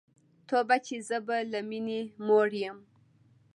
توبه چي زه به له میني موړ یم